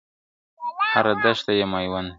هره دښته يې ميوند دی !.